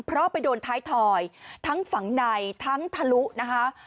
เพราะไปโดนท้ายถอยทั้งฝั่งในทั้งทะลุนะคะ